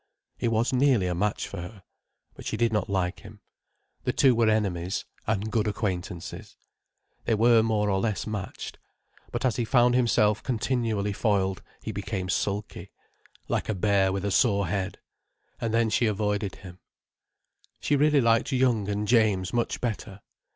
He was nearly a match for her. But she did not like him. The two were enemies—and good acquaintances. They were more or less matched. But as he found himself continually foiled, he became sulky, like a bear with a sore head. And then she avoided him. She really liked Young and James much better.